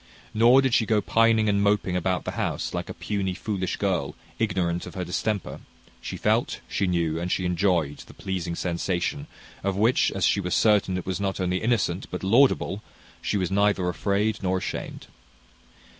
Nor did she go pining and moping about the house, like a puny, foolish girl, ignorant of her distemper: she felt, she knew, and she enjoyed, the pleasing sensation, of which, as she was certain it was not only innocent but laudable, she was neither afraid nor ashamed.